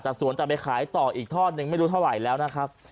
สวนแต่ไปขายต่ออีกทอดนึงไม่รู้เท่าไหร่แล้วนะครับ